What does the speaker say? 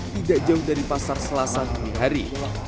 tidak jauh dari pasar selasa dini hari